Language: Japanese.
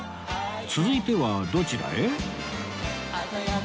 続いてはどちらへ？